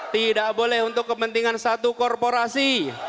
tidak boleh untuk kepentingan satu korporasi